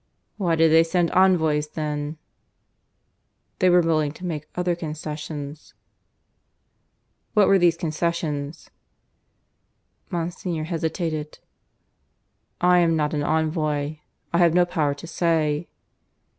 "Why did they send envoys then?" "They were willing to make other concessions." "What were these concessions?" Monsignor hesitated. "I am not an envoy; I have no power to say."